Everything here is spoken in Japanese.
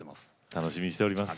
楽しみにしております。